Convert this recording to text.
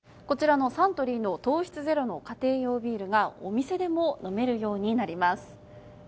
こちらのサントリーの糖質ゼロの家庭用ビールがお店でも飲めるようになります。